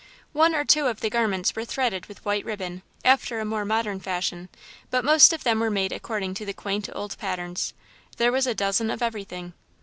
One or two of the garments were threaded with white ribbon, after a more modern fashion, but most of them were made according to the quaint old patterns. There was a dozen of everything.